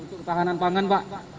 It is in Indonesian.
untuk panganan panganan pak